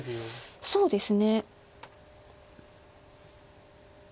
そうですね。